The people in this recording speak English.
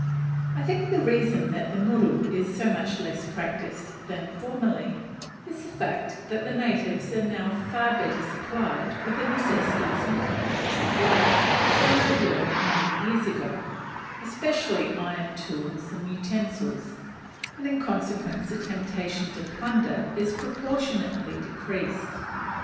I think the reason that the muru is so much less practised than formerly, is the fact that the natives are now far better supplied with the necessaries and comforts of life than they were many years ago; especially iron tools and utensils, and in consequence the temptation to plunder is proportionately decreased.